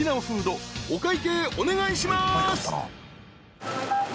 お会計お願いします］